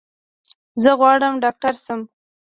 زه غواړم ډاکټر شم.